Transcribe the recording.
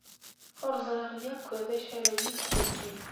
Ur ẓriɣ akk d acu ara yeg sakkin.